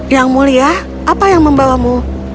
yang mulia apa yang membawamu